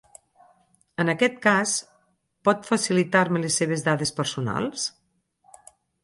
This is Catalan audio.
En aquest cas, pot facilitar-me les seves dades personals?